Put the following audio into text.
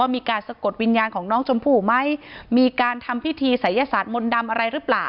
มีการสะกดวิญญาณของน้องชมพู่ไหมมีการทำพิธีศัยศาสตร์มนต์ดำอะไรหรือเปล่า